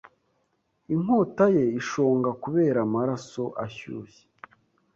inkota ye ishonga kubera amaraso ashyushye